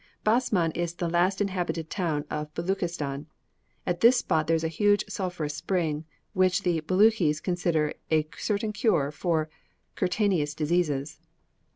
Basman is the last inhabited town of Beluchistan. At this spot there is a hot sulphureous spring, which the Belutchis consider a certain cure for cutaneous diseases.